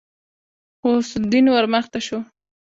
غوث الدين ورمخته شو.